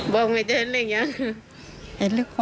ครับ